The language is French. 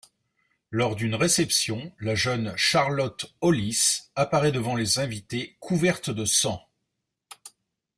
Lors d'une réception, la jeune Charlotte Hollis apparaît devant les invités couverte de sang.